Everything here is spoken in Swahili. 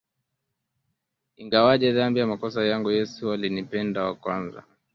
Ingawaje dhambi, makosa yangu, Yesu alinipenda wa kwanza